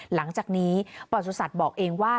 หลังจากนี้ปราชุศัตริย์บอกเองว่า